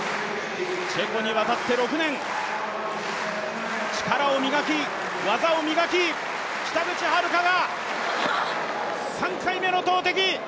チェコに渡って６年、力を磨き、技を磨き、北口榛花が３回目の投てき。